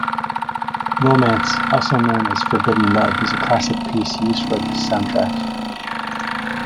"Romance", also known as "Forbidden Love" is a classic piece used for this soundtrack.